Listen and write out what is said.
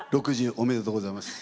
おめでとうございます。